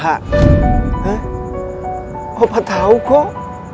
hah opa tau kok